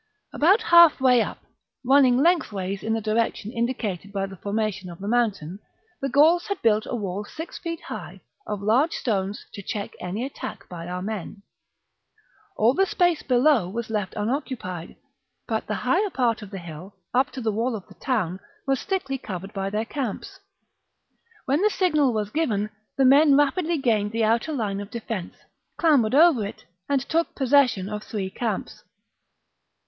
About half way up, running lengthways in the direction indi cated by the formation of the mountain, the Gauls had built a wall six feet high, of large stones, to check any attack by our men. All the space below R defence. 242 THE REBELLION book 52 B.C. was left unoccupied ; but the higher part of the hill up to the wall of the town was thickly covered by their camps. When the signal was given, the men rapidly gained the outer line of defence, clambered over it, and took possession of three camps.